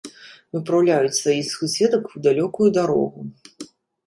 Выпраўляюць сваіх суседак у далёкую дарогу.